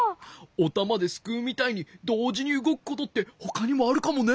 おたまですくうみたいにどうじにうごくことってほかにもあるかもね。